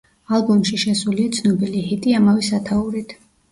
ალბომში შესულია ცნობილი ჰიტი ამავე სათაურით.